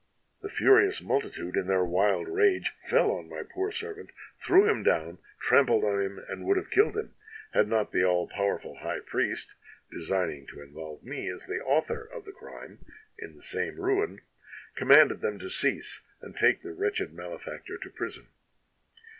"The furious multitude, in their wild rage, fell on my poor servant, threw him down, trampled on him and would have killed him, had not the all powerful high priest — designing to involve me, as the author of the crime, in the same ruin — commanded them to cease and take the wretched malefactor to prison.